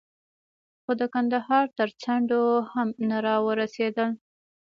خو د کندهار تر څنډو هم نه را ورسېدل.